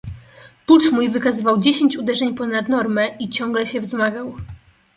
"Puls mój wykazywał dziesięć uderzeń ponad normę i ciągle się wzmagał."